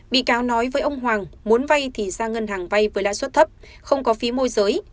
bị cáo nói với ông hoàng muốn vay thì ra ngân hàng vay với lãi suất thấp không có phí môi giới